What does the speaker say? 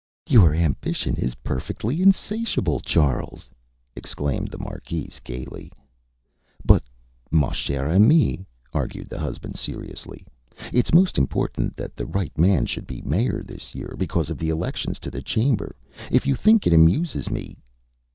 Â ÂYour ambition is perfectly insatiable, Charles,Â exclaimed the marquise, gaily. ÂBut, ma chere amie,Â argued the husband, seriously, ÂitÂs most important that the right man should be mayor this year, because of the elections to the Chamber. If you think it amuses me